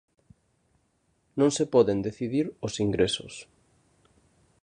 Non se poden decidir os ingresos.